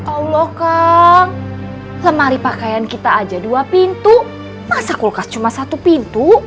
allah kang lemari pakaian kita aja dua pintu masa kulkas cuma satu pintu